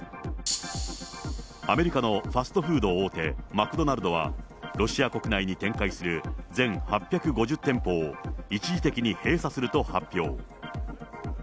アメリカのファストフード大手、マクドナルドは、ロシア国内に展開する全８５０店舗を一時的に閉鎖すると発表。